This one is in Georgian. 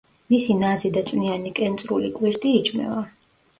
მისი ნაზი და წვნიანი კენწრული კვირტი იჭმევა.